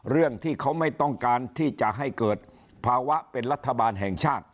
เรื่องที่เขาไม่ต้องการที่จะให้เกิดภาวะเป็นรัฐบาลแห่งชาติ